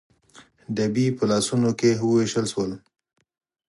ډبي په لاسونو کې ووېشل شول.